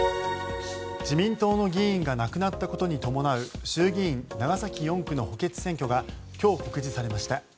自民党の議員が亡くなったことに伴う衆議院長崎４区の補欠選挙が今日、告示されました。